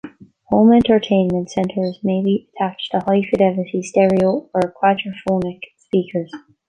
Home entertainment centers may be attached to high-fidelity stereo or quadraphonic speakers.